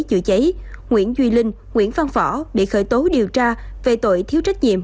chữa cháy nguyễn duy linh nguyễn văn võ bị khởi tố điều tra về tội thiếu trách nhiệm